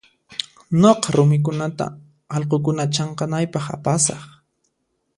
Nuqa rumikunata allqukuna chanqanaypaq apasaq.